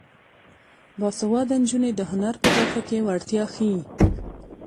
باسواده نجونې د هنر په برخه کې وړتیا ښيي.